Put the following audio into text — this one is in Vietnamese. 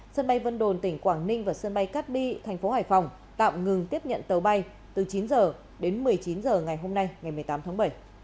sân bay vân đồn tỉnh quảng ninh và sân bay cát bi thành phố hải phòng tạm ngừng tiếp nhận tàu bay từ chín h đến một mươi chín h ngày hôm nay ngày một mươi tám tháng bảy